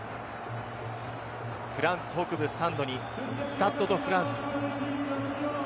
フランス北部サンドニ、スタッド・ド・フランス。